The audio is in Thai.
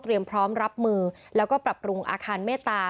พร้อมรับมือแล้วก็ปรับปรุงอาคารเมตตา